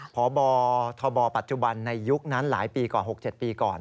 พบทบปในยุคนั้นหลายปีกว่า๖๗ปีก่อน